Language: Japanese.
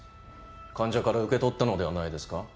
患者から受け取ったのではないですか？